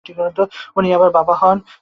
উনি আমার বাবা হন।